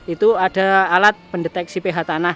itu ada alat pendeteksi ph tanah